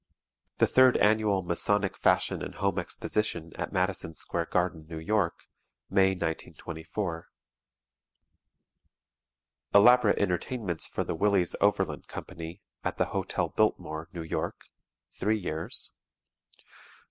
The Third Annual Masonic Fashion and Home Exposition at Madison Square Garden, New York, May, 1924. Elaborate entertainments for the Willys Overland Company, at the Hotel Biltmore, New York (three years).